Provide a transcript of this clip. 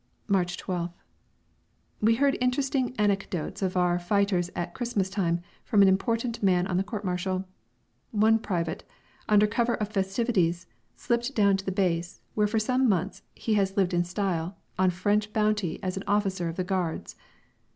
March 12th. We heard interesting anecdotes of our fighters at Christmas time from an important man on the court martial. One private, under cover of festivities, slipped down to the base, where for some months he has lived in style on French bounty as an officer of the Guards!